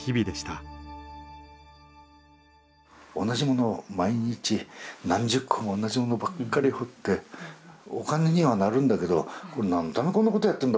同じものを毎日何十個も同じものばっかり彫ってお金にはなるんだけど何のためにこんなことやってんだ？